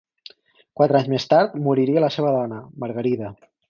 Quatre anys més tard moriria la seva dona, Margarida.